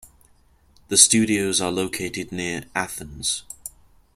The studios are located near Athens.